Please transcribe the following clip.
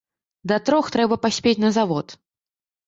Да трох трэба паспець на завод.